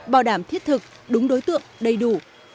bảo đảm thiết thực đúng đối tượng đầy đủ